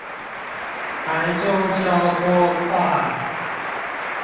台中消波塊